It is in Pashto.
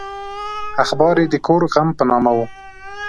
اخبار یې د کور غم په نامه و.